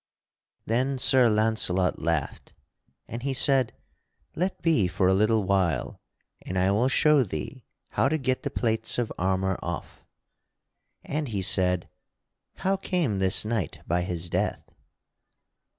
Then Sir Launcelot laughed, and he said: "Let be for a little while, and I will show thee how to get the plates of armor off." And he said: "How came this knight by his death."